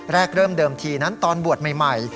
เริ่มเดิมทีนั้นตอนบวชใหม่